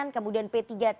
kemudian p tiga tiga tiga